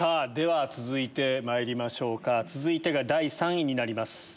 では続いてまいりましょうか続いてが第３位になります。